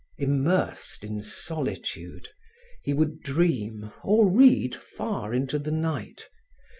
Immersed in solitude, he would dream or read far into the night.